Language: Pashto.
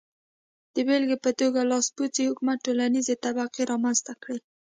د بېلګې په توګه لاسپوڅي حکومت ټولنیزې طبقې رامنځته کړې.